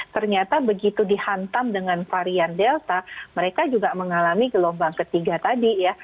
ternyata begitu dihantam dengan varian delta mereka juga mengalami gelombang ketiga tadi ya